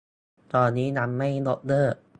ตอนนี้ยังไม่ยกเลิก